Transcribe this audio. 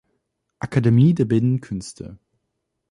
Akademie der bildenden Künste.